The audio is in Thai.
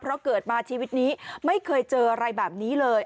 เพราะเกิดมาชีวิตนี้ไม่เคยเจออะไรแบบนี้เลย